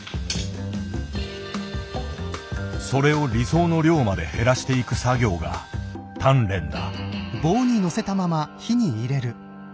それを理想の量まで減らしていく作業が「鍛錬」だ。